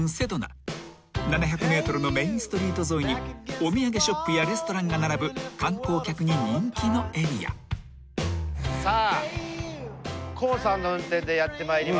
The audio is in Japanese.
［７００ｍのメインストリート沿いにお土産ショップやレストランが並ぶ観光客に人気のエリア］さあコウさんの運転でやってまいりましたは。